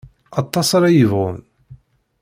Aṭas ara yebɣun.